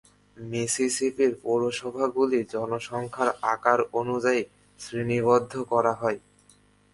মিসিসিপির পৌরসভাগুলি জনসংখ্যার আকার অনুযায়ী শ্রেণীবদ্ধ করা হয়।